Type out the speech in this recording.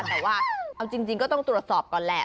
แต่ว่าเอาจริงก็ต้องตรวจสอบก่อนแหละ